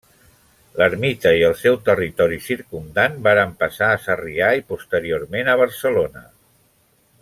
L'ermita i el seu territori circumdant varen passar a Sarrià i posteriorment a Barcelona.